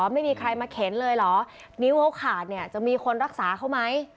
นิ้วเค้าขาดจะมีคนรักษาเขาไหม